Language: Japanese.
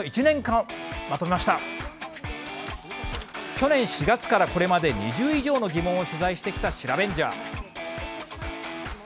去年４月からこれまで２０以上の疑問を取材してきたシラベンジャー。